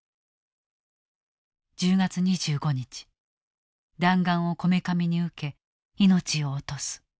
１０月２５日弾丸をこめかみに受け命を落とす。